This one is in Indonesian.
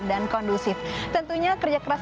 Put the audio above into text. dan kondusif tentunya kerja keras